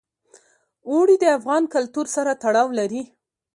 اوړي د افغان کلتور سره تړاو لري.